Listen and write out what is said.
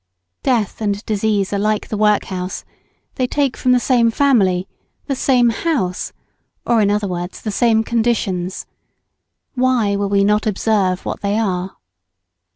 Death and disease are like the workhouse, they take from the same family, the same house, or in other words, the same conditions. Why will we not observe what they are?